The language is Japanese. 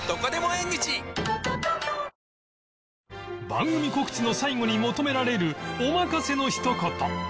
番組告知の最後に求められるお任せの一言